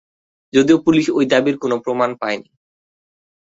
যদিও পুলিশ ঐ দাবির কোন প্রমাণ পায়নি।